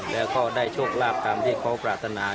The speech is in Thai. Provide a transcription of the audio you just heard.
แล้วก็ได้โชคลาภตามที่เขาปรารถนา